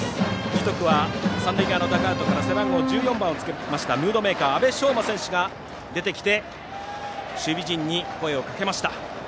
樹徳は三塁側のダグアウトから背番号１４番のムードメーカーの阿部匠真選手が出てきて守備陣に声をかけました。